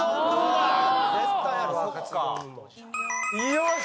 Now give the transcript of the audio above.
よし！